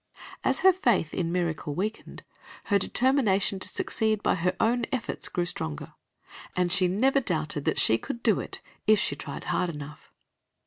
As her faith in miracle weakened, her determination to succeed by her own efforts grew stronger, and she never doubted that she could do it if she tried hard enough.